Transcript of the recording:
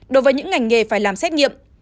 đối với những ngành nghề phải làm xét nghiệm